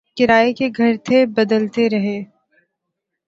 Kiray K Ghar Thay Badalty Rahay